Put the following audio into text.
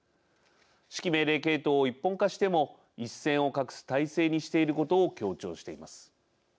指揮命令系統を一本化しても一線を画す体制にしていることを強調しています。